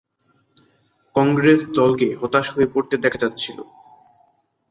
কংগ্রেস দলকে হতাশ হয়ে পড়তে দেখা যাচ্ছিল।